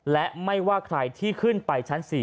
และไม่ว่าใครที่ขึ้นไปชั้น๔